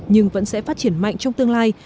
nhưng vẫn sẽ phát triển mạnh trong tương lai